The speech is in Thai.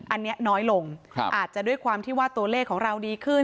อันนี้น้อยลงอาจจะด้วยความที่ว่าตัวเลขของเราดีขึ้น